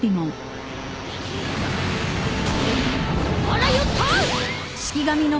あらよっと！